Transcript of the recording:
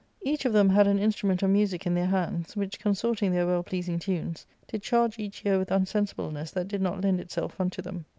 Each of them had an instrument of music in their hands, which, consorting their well pleasing tunes, did charge each ear with unsensibleness that did not lend itself linto them.